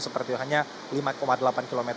seperti hanya lima delapan km